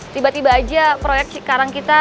tiba tiba aja proyeksi karang kita